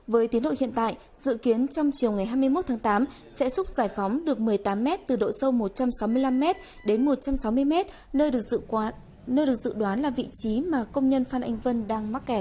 với tiến độ hiện tại dự kiến trong chiều ngày hai mươi một tháng tám sẽ xúc giải phóng được một mươi tám mét từ độ sâu một trăm sáu mươi năm mét đến một trăm sáu mươi mét nơi được dự đoán là vị trí mà công nhân phan anh vân đang mắc kẹt